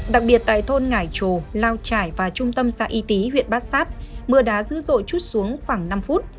đặc biệt tại thôn ngãi trù lao trải và trung tâm xã y tý huyện bát sát mưa đá dữ dội chút xuống khoảng năm phút